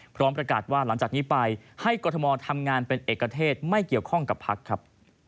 พร้อมประกาศว่าหลังจากนี้ไปให้กรทมทำงานเป็นเอกเทศไม่เกี่ยวข้องกับพักครับ